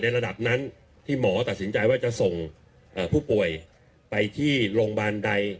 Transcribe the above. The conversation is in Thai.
ระดับนั้นที่หมอตัดสินใจว่าจะส่งผู้ป่วยไปที่โรงพยาบาลใด